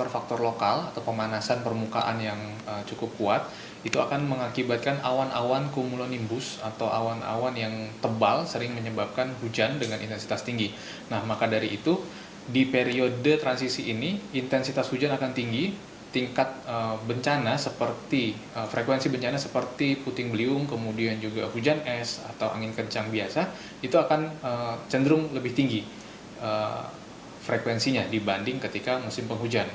frekuensi bencana seperti puting beliung hujan es angin kencang biasa akan lebih tinggi dibanding musim penghujan